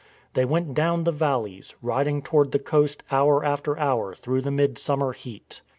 They went down the valleys, riding toward the coast hour after hour through the midsummer heat.